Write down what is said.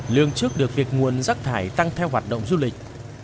lương trước được việc nguồn rác thải tăng theo hoạt động du lịch